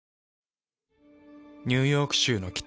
ニューヨーク州の北。